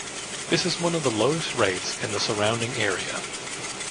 This is one of the lowest rates in the surrounding area.